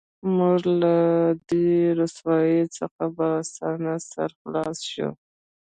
موږ له دې رسوایۍ څخه په اسانۍ سره خلاص شو